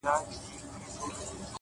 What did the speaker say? اوس يې ياري كومه ياره مـي ده ـ